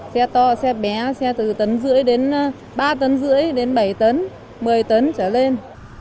xe to xe bé xe từ tấn rưỡi đến ba tấn rưỡi đến bảy tấn một mươi tấn trở lên